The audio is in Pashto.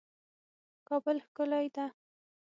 کابل ښکلی ده